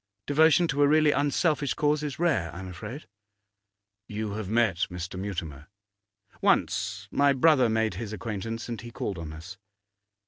Devotion to a really unselfish cause is rare, I am afraid.' 'You have met Mr. Mutimer? 'Once. My brother made his acquaintance, and he called on us.